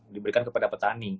diberikan kepada petani